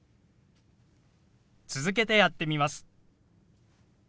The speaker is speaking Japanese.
続けてやってみます。